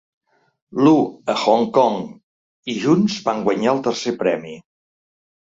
Loo a Hong Kong, i junts van guanyar el tercer premi.